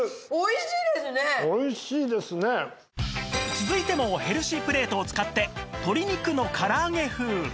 続いてもヘルシープレートを使って鶏肉の唐揚げ風